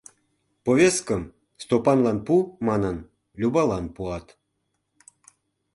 Повесткым, «Стопанлан пу» манын, Любалан пуат.